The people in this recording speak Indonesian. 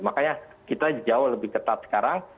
makanya kita jauh lebih ketat sekarang